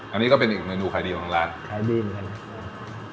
อันนี้ก็เป็นอีกเมนูขายดีของทางร้านขายดื่มใช่ไหม